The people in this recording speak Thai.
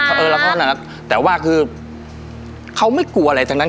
เราก็เออรับทราบนะครับแต่ว่าคือเขาไม่กลัวอะไรทั้งนั้น